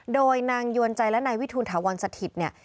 โดยนางยวนใจและนายวิทูลถาวรสถิตเนี่ย